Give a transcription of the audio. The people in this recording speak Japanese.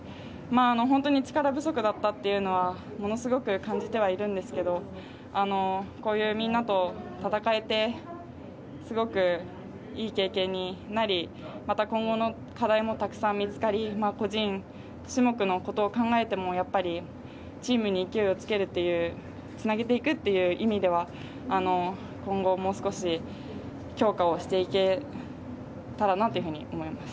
本当に力不足だったというのはものすごく感じてはいるんですけどこういうみんなと戦えてすごくいい経験になりまた、今後の課題もたくさん見つかり個人種目のことを考えてもやっぱりチームに勢いをつけるつなげていくという意味では今後もう少し、強化をしていけたらなと思います。